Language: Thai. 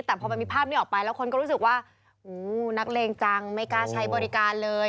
แต่พอมันมีภาพนี้ออกไปแล้วคนก็รู้สึกว่านักเลงจังไม่กล้าใช้บริการเลย